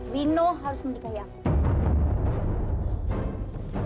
rino harus menikahi aku